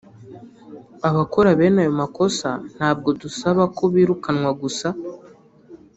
Abakora bene aya makosa ntabwo dusaba ko birukanwa gusa